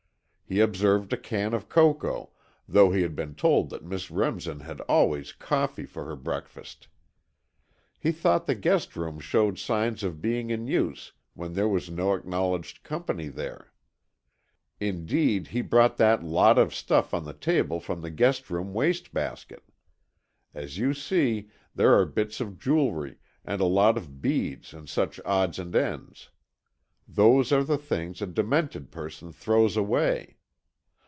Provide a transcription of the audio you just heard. He observed a can of cocoa, though he had been told that Miss Remsen had always coffee for her breakfast. He thought the guest room showed signs of being in use when there was no acknowledged company there. Indeed, he brought that lot of stuff on the table from the guest room waste basket. As you see, there are bits of jewellery and a lot of beads and such odds and ends. Those are the things a demented person throws away.